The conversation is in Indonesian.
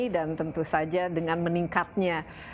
dan tentu saja dengan meningkatnya